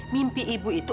mimpi ibu itu